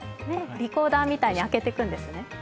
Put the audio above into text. リコーダーみたいに開けていくんですね。